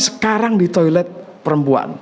sekarang di toilet perempuan